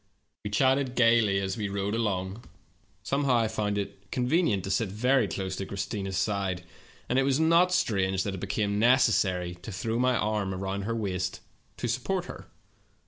"We chatted gaily as we rode along. Somehow I found it convenient to sit very close to Chris tina's side, and it was not strange that it became necessary to throw my arm around her waist to support her.